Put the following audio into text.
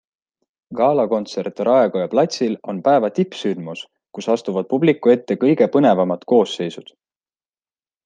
Galakontsert Raekoja platsil on päeva tippsündmus, kus astuvad publiku ette kõige põnevamad koosseisud.